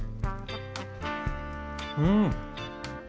うん！